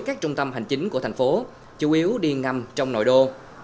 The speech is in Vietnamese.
các trung tâm hành chính của thành phố chủ yếu đi ngầm trong nội đô